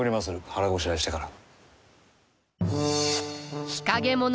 腹ごしらえしてから。